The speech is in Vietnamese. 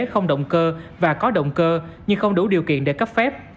không động cơ và có động cơ nhưng không đủ điều kiện để cấp phép